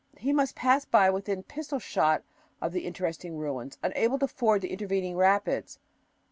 He must pass by within pistol shot of the interesting ruins, unable to ford the intervening rapids.